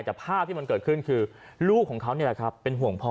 แต่ภาพที่มันเกิดขึ้นคือลูกของเขานี่แหละครับเป็นห่วงพ่อ